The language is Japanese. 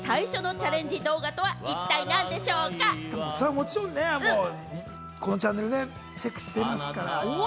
もちろんこのチャンネルね、チェックしてますから。